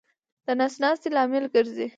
د نس ناستې لامل ګرځي.